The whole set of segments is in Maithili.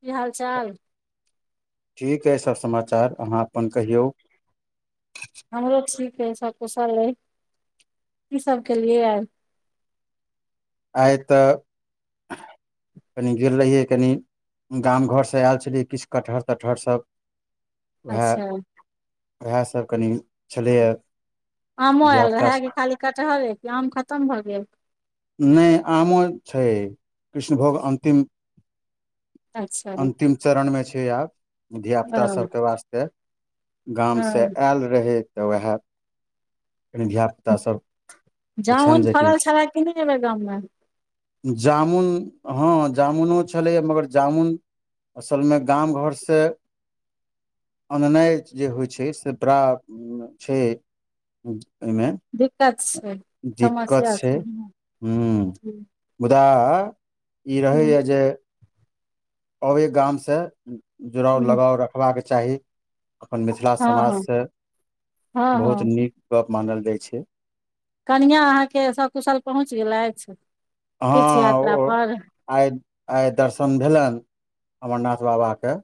की हाल चाल ठीक अइ सब समाचार अहाँ अपन कहियो हमरो ठीक आई सब कुशल आई कि सब केलियै आइ तऽ कनि गेल रहियै कनि गाम घरसँ आयल छलियै किछु कटहर तटहर सभ उएह अच्छा उएहसभ कनि छलैए आमो आयल धियापुता रहै कि सब। खाली कटहरे कि आम खतम भऽ गेल नहि आमो छै कृष्णभोग अन्तिम अच्छा अन्तिम चरणमे छै आब धियापुतास हँ सभके वास्ते गामसँ हँ आयल रहै तऽ उएह कनिध्याप जामुन फड़ल छलै कि नै अइबेर गाममे जामुन हँ जामुनो छलैए मगर जामुन असलमे गाम घरसँ आननाइ जे होइ छै से बड़ा छै ओहिमे दिक्कत छै दिक्कत समस्या छै हूँ ह मुदा ई हूँ रहैए जे ओये गामसँ जुड़ाव हूँ, लगाव रखबाक चाही अपन मिथिला हँ हँ समाजसँ हँ बहुत हँ नीक गप्प मानल जाइत छै कनिआ अहाँके सभकुशल पहुँच गेलथि तीर्थ अहाँ यात्रा ओ पर आइ आइ दर्शन भेलनि अमरनाथ बाबाके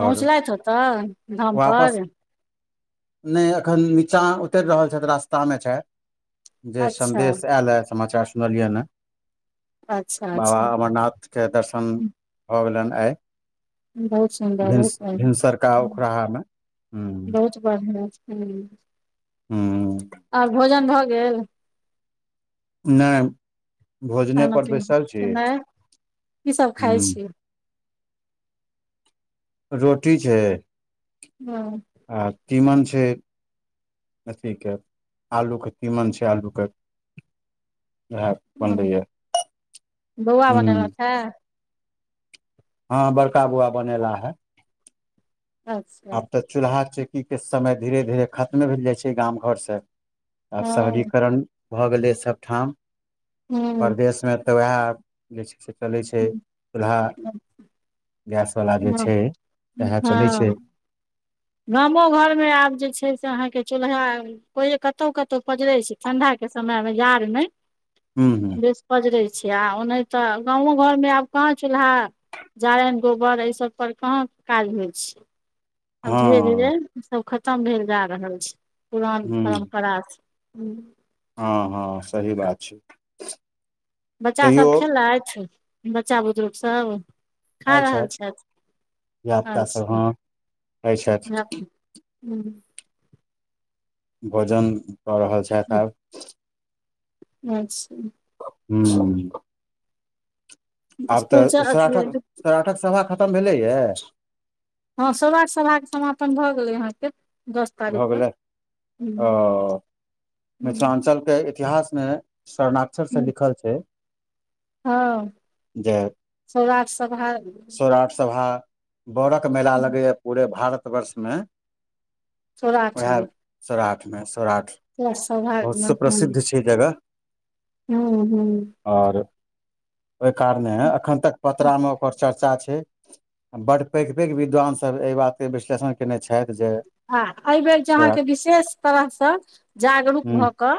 आओर पहुँचलथि ओतऽ धाम वापस पर नहि एखन नीचाँ उतरि रहल छथि रास्तामे छथि जे अच्छा सन्देश आयल ह समाचार सुनलियै ह अच्छा बाबा अच्छा अमरनाथ के दर्शन भऽ गेलनि आइ बहुत सुन्दर बहुत भिनसरका ओ मे हं ब ह ह हूं आ भोजन भऽ गेल नहि भोजने खाना पर पीना बैसल छी खेनाइ की सब ह खाइ छी रोटी छै हँ आ तीमन छै अथीके आलूके तीमन छै आलूके इएह हँ बनलैए हं हँ हँ बड़का बौआ बनेला है अच्छा आब तऽ चूल्हा चौकीके समय धीरे धीरे खतमे भेल जाइ छै गाम घरसँ आब हँ शहरीकरण भऽ गेलै सभठाम हूँ परदेशमे तऽ वयह जे छै से चलै छै चूल्हा हँ गैस तला जे हँ छै इएह चलै छै गामो घरमे आब जे छै से अहाँके चूल्हा कोहि कतहु कतहु पजरे छै ठंडा के समय मे जार मे हुं हुं बेस पजरै छै आ ओ नहि तऽ गाँवो घरमे आब कहाँ चूल्हा जारनि गोबर ऐ सब पर कहाँ काज होइ छै आब धीरे धीरे हँ सब खतम भेल जा रहल छै पुरान हूं परम्परासब हूँ हँ हँ सही बात छै बच्चा सभ तैयो खेलथि बच्चा बुजुर्ग सब खा रहल छथि धिया पुता सब अच्छा हँ खाइ छथि र हुँ भोजन कऽ रहल छथि आब अच्छा हुँ आब स्कुल तऽ च सराठक अथी सराठक सभा खतम भेलैयए हँ सौराठ सभाके समापन भऽ गेलै अहाँके दस तारीख भऽ के गेलै आ मिथिलाञ्चलके इतिहासमे शरणाक्षरसँ लिखल छै हँ जे सौराठ सभा सौराठ सभा बरक मेला लगैए पूरे भारतवर्षमे सौराठमे सौराठमे सौराठ सभा बहुतसँ प्रसिद्ध छै जगह हुं हुँ और ओय कारणे है अखन तक पतरा में ओकर चर्चा चर्चा छै बड्ड पैघ पैघ विद्वान सभ एहि बातके विश्लेषण कयने छथि जे आ एहिबेर जे सौराठ अहाँके विशेष तरह सँ जागरूक हूँ भऽ कऽ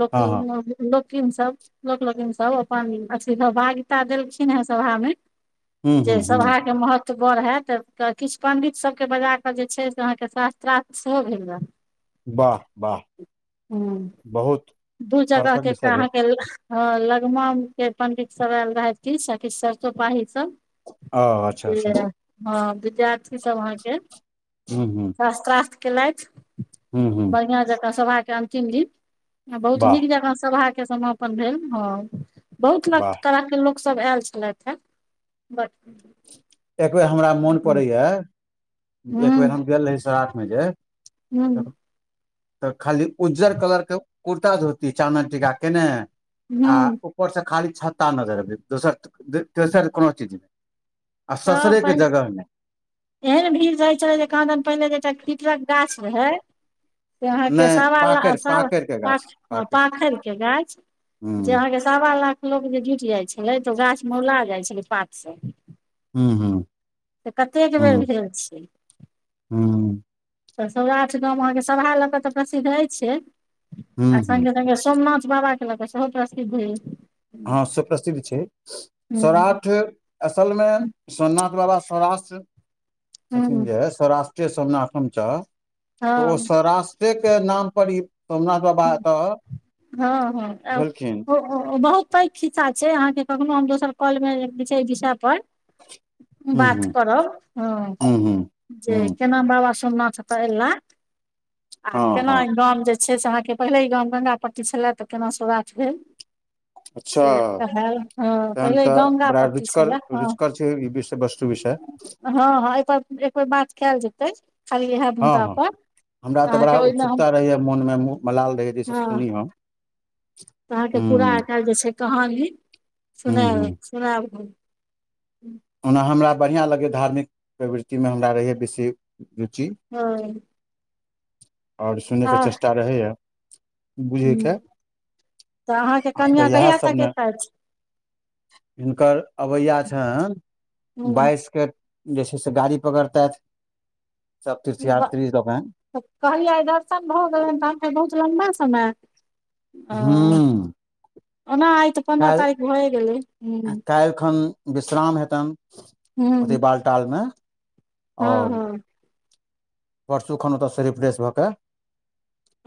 लोक हँ हँ लोगै लोकिन सब लोक लोकिन सब अपनी सभागिता देलखिन हे सभा मे हूँ हूँ जे हूँ सभाके महत्व बड़ होयत किछु पण्डित सभके बज कऽ जे छै अहाँके शास्त्रार् सेहो भेल रहै वाह वाह ह बहुत दू जगह हर्कक के विषय एकटा भेल अहाँके ह लगमा के पंडित सब आयल रहैथ किछ सखी सरसोपाही सब ओ अच्छा जे अच्छा हँ विधार्थी की सब अहाँके हुँ हुँ शास्त्ररार्थ केलथि हूँ बढ़िआं जकाँ सभाके अन्तिम दिन बहुत वाह नीक जेकाँ सभा के समापन भेल हँ बहुत वाह तरह के लोक लोक सब आयल छलथि हँ ब एकबेर हमरा मोन पड़े या एकबेर हूँ हम गेल रही सराध मे जे त तऽ खाली उज्जर कलर के कुर्ता धोती चानन टीका केने आ हूँ ऊपर से खाली छत्ता नजरब दोसर तोसर कोनो चीज नहि आ तऽ ससरे के पहिले जगह ने एहन भीड़ रहै छले जे कहादन पहिनेे जे एकटा पिपरक गाछ रहे से अहाँके नहि सावा लाख पाकरि सावा पाकरि के गाछ पा पाकरि पाखर के गाछ जे हूँ अहाँके सवा लाख लोक जे जुटि जाइ छलै तऽ गाछ मेौला जाइ छलै पात से हुँ हुँ तऽ कतेक बेर भेल छै हु तऽ सौराठ गाम अहाँके सभा लऽ कऽ तऽ प्रसिद्ध अछि ए हूँ आ हूँ संगे संगे सोमनाथ बाबा के ल कअ सेहो प्रसिद्ध अछि हँ से प्रसिद्ध छै हूँ सौराठ असल मे सोमनाथ बाबा सौराष्ट्र छथिन हूँ जे सौराष्ट्र सोमानाथम च तऽ ओ हँ सौराष्ट्र के नाम पर ई सोमनाथ बाबा एतऽ हँ हँ आब भेलखिन हँ ओ ओ बहुत पैघ खिस्सा छै अहाँके कखनो हम दोसर कॉल मे जे छै एहि विषय पर हूँ बात हूँ करब ह हूँ हूँ जे हूँ केना बाबा सोमनाथ एतअ ऐला आ हँ केना हँ ई गाम जे छै से अहाँके पहिले ई गाम गंगा पट्टी स एल्य तऽ केना सराट भेल अच्छा से कहल हँ तहन पहिले तऽ गंगा बड़ा पट्टी छलए रुचकरर हँ रुचकरर छै विषय वस्तु सुविषय हँ हँ एहिपर एक बेर बात कयल जेतै खाली इएह हँ मुद्दा हँ पर हमरा तऽ बड़ा अहाँके ओहिमे हम उत्सुकता रहैए मोनमेह मलाल रहैए जे इसभ हँ सुनी हम तऽ अहाँके पूरा हूँ आ काल्हि जे छै कहानी हूँ सुनैल हूँ सुनायब हम हूँ ओना हमरा बढ़िआँ लगैए धार्मिक प्रवृति मे हमरा रहैए बेसी रुचि ओ आओर सुनै के चेष्टा रहैएा आ बुझयके अहाँके तऽ आब त कनिया इहे कहिया सभ तक ने एतैथ हिनकर अबैया छैन बाइस के जे छै से गाड़ी पकड़तैथ सब तीर्थ यात्री लोकेन तऽ कहलियै दर्शन भऽ गेलनि कहलकै बहुत लम्बा समय ओ हूँ ओना आइ तऽ पन्द्रह तारीख भए गेलै काल्हिखन विश्राम हेतन हूँ ओथी बालटालमे हँ आओर हँ परसू खन ओतऽ स रिफ्रेश भऽ के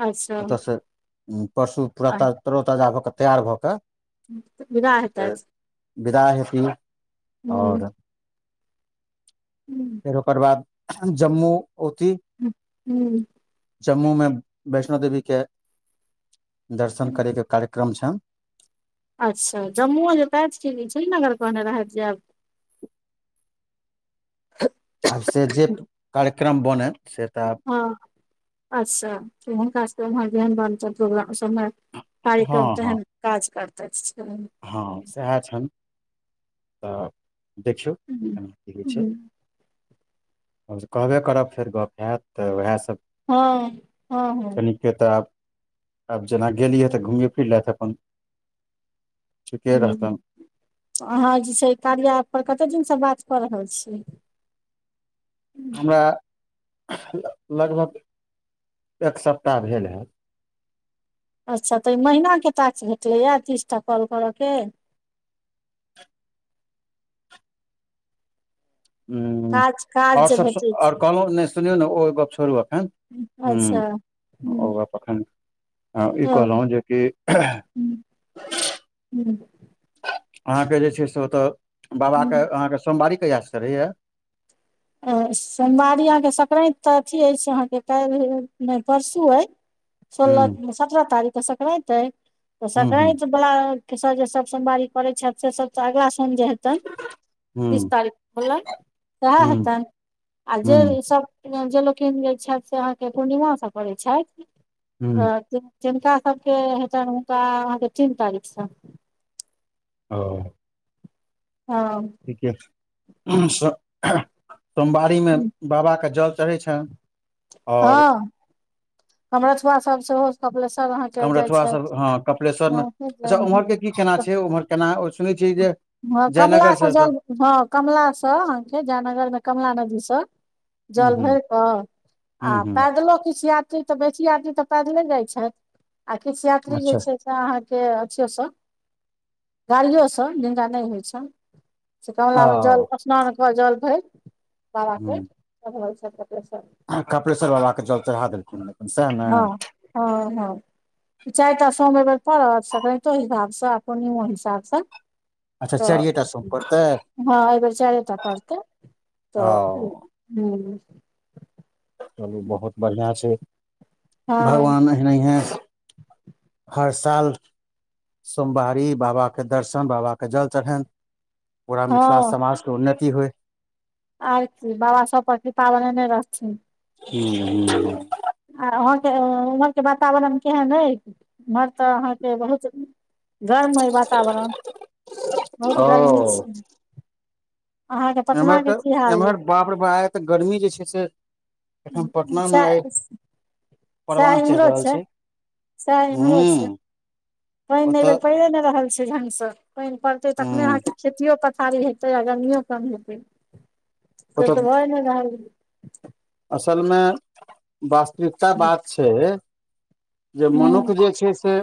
अच्छा ओतयसँ परसू पूरा तरोताजा भऽ कऽ तैयार भऽ कऽ विदा फेर हैतेथ विदा हेती आओर हूँ हूँ फेर ओकर बाद जम्मू ओती ह हूँ जम्मूमे वैष्णो देवीके दर्शन करयके कार्यक्रम छन् अच्छा जम्मुओ जेतथ कि श्रीनगर कहने रहैथ जायब आब से जे कार्यक्रम बने हँ अच्छा हुनका सबकें ओम्हर जेहन बन प्रोग्राम समय कार्यक्रम हँ हँ तेहन काज करतथ छै हँ सएह छनि तऽ देखियौ कनि क होई छै हूँ हमसभ कहबे करब फेर गप हैत तऽ उएहसभ हँ हँ हँ कनिके तऽ आब आब जेना गेलिय तऽ घुमिय फिर लेथ अपन ठीके हुँ रहतनि अहाँ जे छै कार्या एप्प पर कतेक दिनसँ बात कऽ रहल छियै हुँ हमरा लगभग एक सप्ताह भेल हन अच्छा तऽ ई महीनाके टाक्स भेटैए तीस टा काॅल करऽके हूं काज काज आओर जे सब भेटै आओर छै कहलहुँ नहि सुनियौ ने ओ गप छोड़ू एखन हूं अच्छा हूँ ओक गप एखन ई हँ कहलहुँ जेकि हूँ हूँ अहाँके जे छै से ओत बाबा हूँ अहाँके सोमवारी कयासँ चरहैया सोमवारी अहाँ के संक्रात ते अथी हय अहं के काल्हि मे परसू अय हूं सोलह सतरा तारीख सक्राइत ह तऽ हूं हूं सक्राइत भोला के सब जे सब सोमवारी करे छै छथि से सब अगला सोम जे बीस हूं तारीख होलन सएह हूं हेतनि आ हूँ जे सभ जे लोकिन जे छथि से अहाँके पूर्णिमाास सँ करैत छथि हूँ तऽ तिनका सबके हेतनि हुनका अहाँके तीन तारीख से ओ हाॅं सोमवारीमे बाबाके जल चढ़ै छनि और हँ कमरथुआ सब सेहो कपिलेश्वर अहाँके जाइ कमरथुआ सब छथि हँ कपिलेश्वर मे अच्छा उम्हर गांव के की केना छै उम्हर केना सुनै छियै जे हँ जयनगर कमलासँ से सब जल हँ कमलासँ अहाँके जय नगरमे कमला नदीसँ हूँ जल हूँ भरिके हूँ आ हूँ पैदलो किछु या यी तऽ बेसी यात्री तऽ पैदले जाइ छथि आ किछु यात्री जे अच्छा छै अहाँके अथियोसँ गाड़ियो सँ जिनका नहि होइ छैन से कमलामे जल ओ स्नान कऽ जल भरि बाबाके चढ़बै छथि लोक सब कपलेश्वर बाबाकके जल चढ़ा देलखिन सएह ने हँ हँ हँ चारि टा सोम ऐबेर पड़त सक्रतो हिसाबसँ पूर्णिमा निमो हिसाबसँ अच्छा तऽ चारिये टा सोम पड़तै हँ एहि बेेर चारे टा पड़तै ओ तऽ हू चलू बहुत बढ़िआँ छै हँ भगवान एनाहिए हर साल सोमबरी बाबा के दर्शन बाब के जल चढ़नि पूरा मिथिला हँ समाजके उन्नति होइ आर की बाबा सब पर कृपा बने ने रहथिन ह ह आ अहाँके उम्हरके वातावरण केहन अ उम्हर तऽ अहाँके बहुत गर्म ह वातावरण बहुत गर्मी छियै अहाँके पटना के की हाल आई बापर बा तऽ गर्मी जे छै से एखन पटना ह मे आइ शाह परवान चढ़ि इमरो रहल छै शाह इमरो हूं छै पानि एहि ओतऽ बेर पड़िे नहि रहल छै ढंग सा पानि पड़तै तखने हूं अहाँके खेतियो प खारी हेतै आ गर्मियो कम हेतै से ओतऽ तऽ भए ने रहल असलमे वास्तविकता हूँ बात छै जे मनुष हूँ जे छै से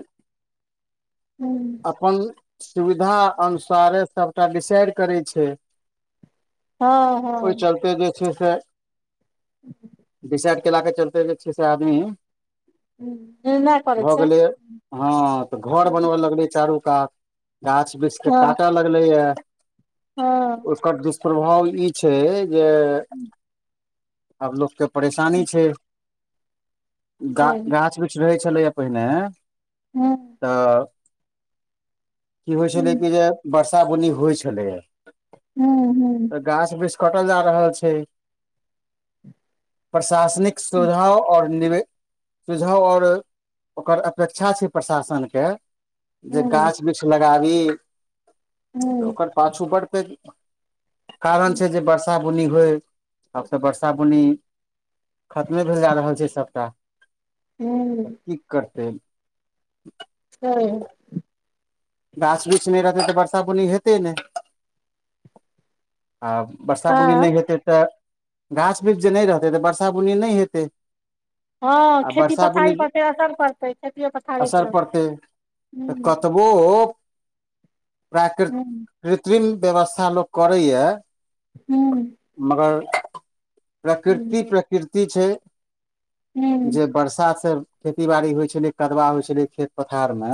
अपन सुविधा अनुसारे सबटा डिसाइड करै छै हँ ओहि हँ चलते जे छै से [inaudible] डिसाइड के ला के चलत ह अच्छे से आदमी निर्णय कराई भऽ छै गेलै हँ तऽ घर बनबे लगले चारू कात गात गांछ बिछ के हँ काटे लगले य हँ ओकर दुष्प्रभाव ई छै जे आब लोकके परेशानी छै गा छै गाछ वृक्ष रहै छलैए पहिने हँ तऽ की होइ छलै हूँ कि जे वर्षा बुन्नी होइ छलैए हूँ हूँ तऽ गाछ वृक्ष कटल जा रहल छै प्रशासनिक सुझाव आऔर निव सुझाव आओर ओकर अपेक्षा छै प्रशासनके जे हूँ गाछ वृक्ष लगाबी तऽ हूँ ओकर पाछू बड़ पे कारण छै जे वर्षा बुन्नी होइ तऽ वर्षा बुन्नी खतमे भेल जा रहल छै सबटा हूँ करत हँ गाछ वृक्ष नहि रहतै तऽ वर्षा बुन्नी हेतै नहि आ वर्षा बुन्नी आँ नहि हेतै तऽ गाछ वृक्ष जे नहि रहतै तऽ वर्षा बुन्नी नहि हेतै हँ आ खेती वर्षा बुन्नी पथारी पर फेर असर पतै खेतियो पथारी पर ह ओ प्राकृ हूँ कृत्रिम व्यवस्था लोकोग करे ये हूँ मगर हूँ प्रकृति प्रकृति छै हूँ जे वर्षा से खेती बाड़ी होइ छलै कदवा होइ छलै खेत पथार मे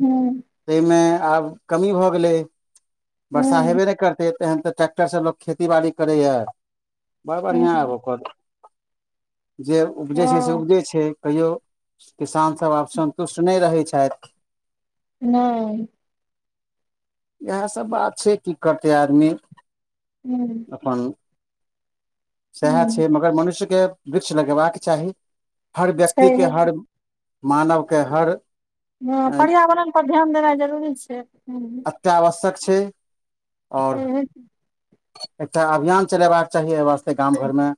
हूँ आब कमी भऽ गेलै वर्षा हूँ हेबे नहि करतै तहन तऽ ट्रैक्टरसँ लोक खेतीबाड़ी करैए बड़ हूँ, बढ़िआँ आब ओकर जे उपजै छै से हँ उपजै छै कहियो किसान सब आब सन्तुष्ट नहि रहै छथि नइ इहे सब बात छै की करते आदमी हूँ अपन सएह ह छै मगर मनुष्य के वृक्ष लगेबाक चाही हर छै व्यक्ति के हर मानव के हर हँ पर्यावरण पर ध्यान देनाइ जरूरी छै एकटा आवश्यक छै आओर ह एकटा अभियान चलेबाक चाही एहि वास्ते गाम घर मे